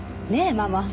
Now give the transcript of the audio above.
ママ。